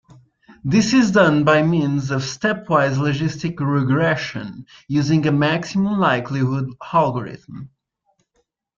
This is done by means of stepwise logistic regression, using a maximum likelihood algorithm.